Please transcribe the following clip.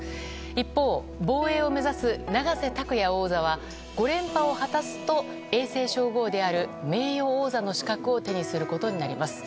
一方、防衛を目指す永瀬拓矢王座は５連覇を果たすと永世称号である名誉王座の資格を手にすることになります。